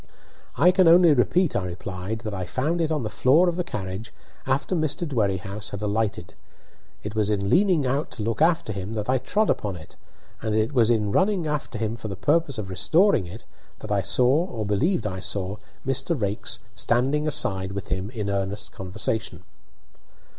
"I can only repeat," I replied, "that I found it on the floor of the carriage after Mr. Dwerrihouse had alighted. It was in leaning out to look after him that I trod upon it, and it was in running after him for the purpose of restoring it that I saw or believed I saw, Mr. Raikes standing aside with him in earnest conversation."